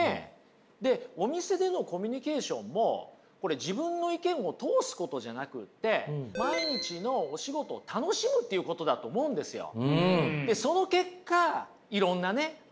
お店でのコミュニケーションもこれ自分の意見を通すことじゃなくて毎日のお仕事を楽しむっていうことだと思うんですよ。